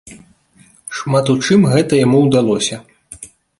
Шмат у чым гэта яму ўдалося.